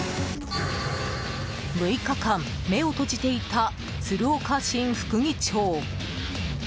６日間、目を閉じていた鶴岡新副議長。